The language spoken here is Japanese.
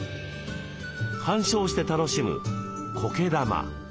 観賞して楽しむ「こけ玉」。